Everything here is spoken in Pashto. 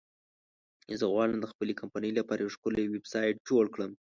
زه غواړم د خپلې کمپنی لپاره یو ښکلی ویبسایټ جوړ کړم